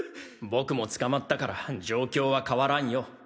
僕も捕まったから状況は変わらんよ。